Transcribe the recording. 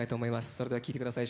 それでは聴いてください